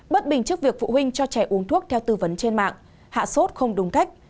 bất bình trước việc phụ huynh cho trẻ uống thuốc theo tư vấn trên mạng hạ sốt không đúng cách